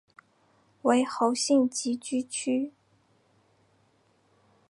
为侯姓集居区。